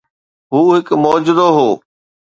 هو هڪ معجزو هو.